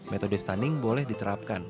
metode stunning boleh diterapkan